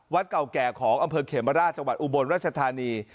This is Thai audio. เก่าแก่ของอำเภอเขมราชจังหวัดอุบลรัชธานี